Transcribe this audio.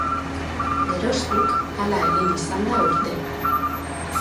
Geroztik, hala egin izan da urtero.